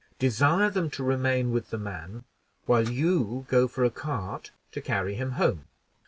Desire them to remain with the man, while you go for a cart to carry him home.